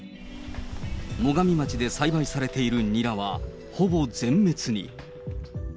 最上町で栽培されているニラはほぼ全滅に。